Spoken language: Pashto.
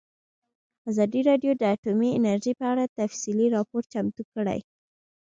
ازادي راډیو د اټومي انرژي په اړه تفصیلي راپور چمتو کړی.